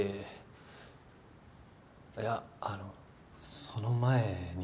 いやあのその前に実は。